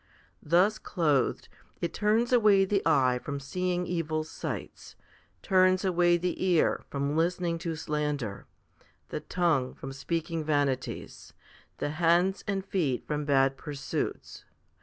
Thus clothed, it turns away the eye from seeing evil sights, turns away the ear from listening to slander, the tongue from speaking vanities, the hands and feet from bad pursuits.